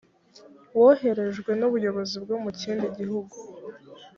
woherejwe n ubuyobozi bwo mu kindi gihugu